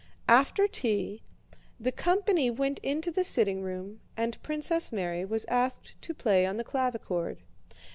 After tea, the company went into the sitting room and Princess Mary was asked to play on the clavichord.